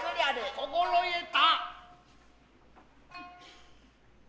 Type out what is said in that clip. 心得た。